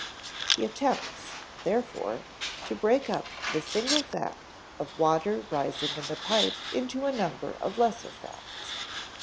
He attempts, therefore, to break up the single fact of water rising in the pipe into a number of lesser facts.